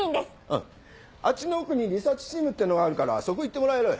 あっちの奥にリサーチチームっていうのがあるからそこ行ってもらえる？